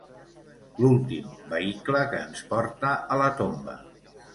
L'últim vehicle que ens porta a la tomba.